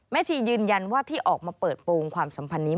ชียืนยันว่าที่ออกมาเปิดโปรงความสัมพันธ์นี้